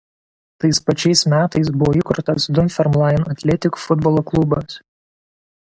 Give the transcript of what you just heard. Tais pačiais metais buvo įkurtas Dunfermline Athletic futbolo klubas.